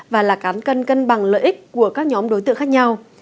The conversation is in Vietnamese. và là cán cân cân bằng lợi ích của các nhóm đối tượng khác nhau